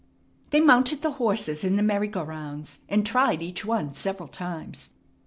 They mounted the horses in the merry go rounds, and tried each one several times.